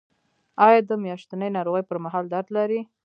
ایا د میاشتنۍ ناروغۍ پر مهال درد لرئ؟